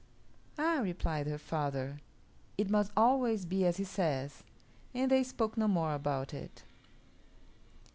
'" "Ah!" replied her father; "it must always be as he says"; and they spoke no more about it.